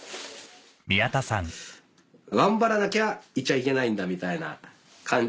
「頑張らなきゃいちゃいけないんだ」みたいな。